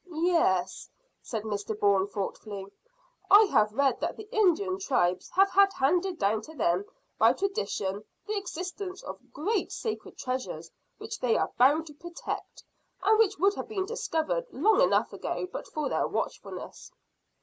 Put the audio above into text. "Yes," said Mr Bourne thoughtfully, "I have read that the Indian tribes have had handed down to them by tradition the existence of great sacred treasures which they are bound to protect, and which would have been discovered long enough ago but for their watchfulness."